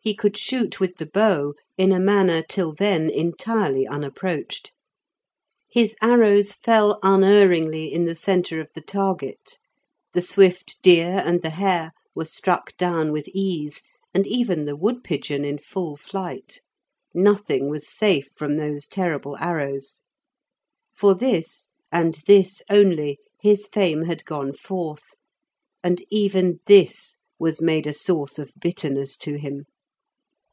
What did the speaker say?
He could shoot with the bow in a manner till then entirely unapproached. His arrows fell unerringly in the centre of the target, the swift deer and the hare were struck down with ease, and even the wood pigeon in full flight. Nothing was safe from those terrible arrows. For this, and this only, his fame had gone forth; and even this was made a source of bitterness to him.